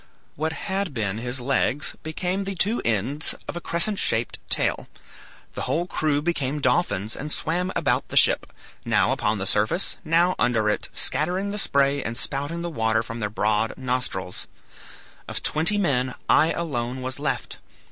What had been his legs became the two ends of a crescent shaped tail. The whole crew became dolphins and swam about the ship, now upon the surface, now under it, scattering the spray, and spouting the water from their broad nostrils. Of twenty men I alone was left.